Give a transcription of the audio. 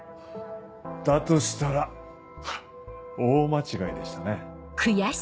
だとしたらハッ大間違いでしたね。